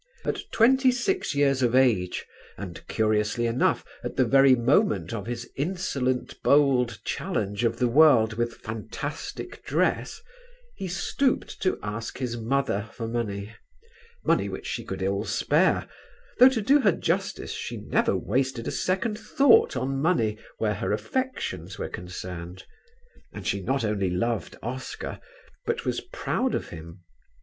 At twenty six years of age and curiously enough at the very moment of his insolent bold challenge of the world with fantastic dress, he stooped to ask his mother for money, money which she could ill spare, though to do her justice she never wasted a second thought on money where her affections were concerned, and she not only loved Oscar but was proud of him.